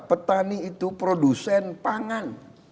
petani itu produsen pangan